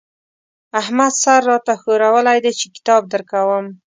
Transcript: احمد سر را ته ښورولی دی چې کتاب درکوم.